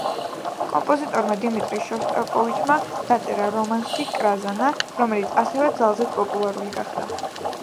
კომპოზიტორმა დიმიტრი შოსტაკოვიჩმა დაწერა რომანსი „კრაზანა“, რომელიც ასევე ძალზედ პოპულარული გახდა.